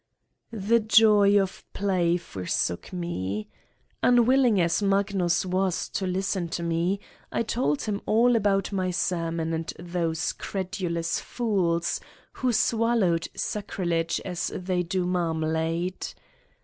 The joy of play forsook me. Unwilling as Mag nus was to listen to me, I told him all about my sermon and those credulous fools who swal lowed sacrilege as they do marmalade.